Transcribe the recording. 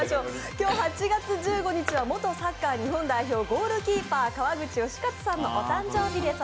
今日８月１５日は元サッカー日本代表ゴールキーパー川口能活さんのお誕生日です。